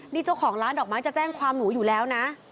นี่เจ้าของร้านดอกไม้จะแจ้งความหนูอยู่แล้วนะ